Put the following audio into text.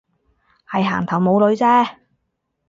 係行頭冇女啫